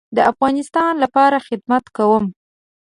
د افغانستان لپاره خدمت کوم